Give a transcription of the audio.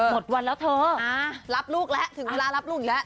หมดวันแล้วเธอรับลูกแล้วถึงเวลารับลูกอีกแล้ว